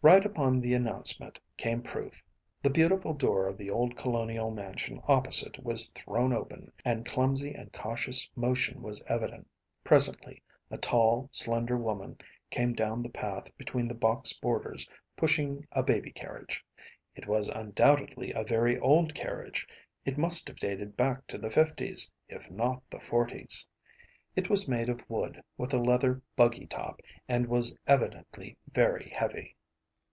Right upon the announcement came proof. The beautiful door of the old colonial mansion opposite was thrown open, and clumsy and cautious motion was evident. Presently a tall, slender woman came down the path between the box borders, pushing a baby carriage. It was undoubtedly a very old carriage. It must have dated back to the fifties, if not the forties. It was made of wood, with a leather buggy top, and was evidently very heavy.